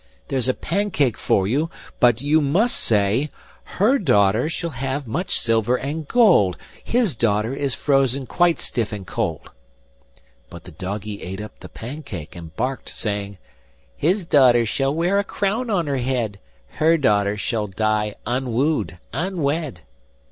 'There's a pancake for you, but you must say: "HER daughter shall have much silver and gold; HIS daughter is frozen quite stiff and cold."' But the doggie ate up the pancake and barked, saying: 'His daughter shall wear a crown on her head; Her daughter shall die unwooed, unwed.